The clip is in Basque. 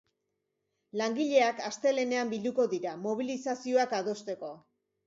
Langileak astelehenean bilduko dira, mobilizazioak adosteko.